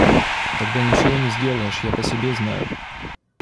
Тогда ничего не сделаешь, я по себе знаю.